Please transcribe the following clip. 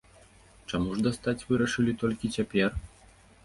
Чаму ж дастаць вырашылі толькі цяпер?